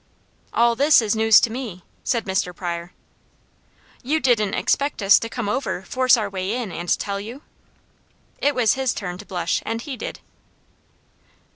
"All this is news to me," said Mr. Pryor. "You didn't expect us to come over, force our way in and tell you?" It was his turn to blush and he did.